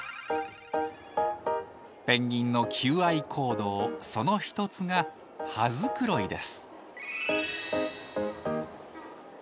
ペンギンの求愛行動その一つが羽繕いです。